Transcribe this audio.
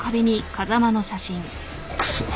くそっ。